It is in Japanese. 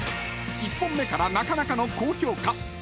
［１本目からなかなかの高評価！］